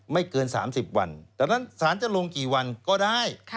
ไม่เกิน๓๐วันแต่ฉะนั้นสารจะลงกี่วันก็ได้